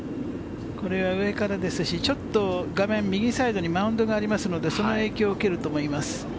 これは上からですし、ちょっと画面右サイドにマウンドがありますので、その影響を受けると思います。